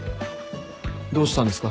どうしたんですか？